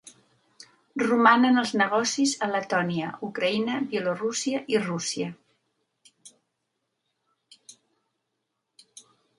Romanen els negocis a Letònia, Ucraïna, Bielorússia i Rússia.